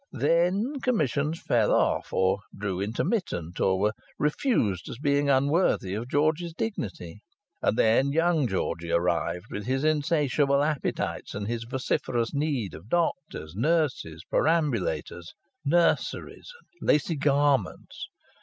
Then commissions fell off or grew intermittent, or were refused as being unworthy of George's dignity. And then young Georgie arrived, with his insatiable appetites and his vociferous need of doctors, nurses, perambulators, nurseries, and lacy garments.